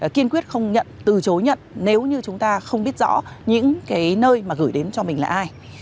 kiên quyết không nhận từ chối nhận nếu như chúng ta không biết rõ những cái nơi mà gửi đến cho mình là ai